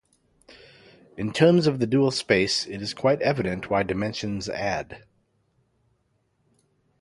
In terms of the dual space, it is quite evident why dimensions add.